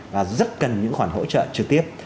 là rất cần những khoản hỗ trợ trực tiếp